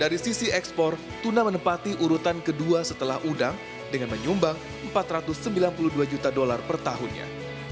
dari sisi ekspor tuna menempati urutan kedua setelah udang dengan menyumbang empat ratus sembilan puluh dua juta dolar per tahunnya